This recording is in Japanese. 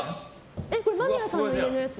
これ、間宮さんの家のやつ？